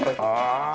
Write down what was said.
ああ。